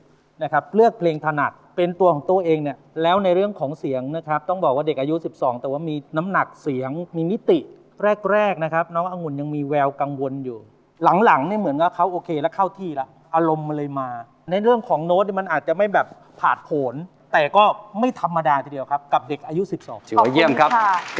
นะครับเลือกเพลงถนัดเป็นตัวของตัวเองเนี่ยแล้วในเรื่องของเสียงนะครับต้องบอกว่าเด็กอายุสิบสองแต่ว่ามีน้ำหนักเสียงมีมิติแรกแรกนะครับน้ององุ่นยังมีแววกังวลอยู่หลังหลังเนี่ยเหมือนกับเขาโอเคแล้วเข้าที่แล้วอารมณ์มันเลยมาในเรื่องของโน้ตเนี่ยมันอาจจะไม่แบบผ่านผลแต่ก็ไม่ธรรมดาทีเดียวครับกับเด็กอายุ๑๒เยี่ยมครับ